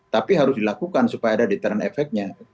tapi harus dilakukan supaya ada deterent efeknya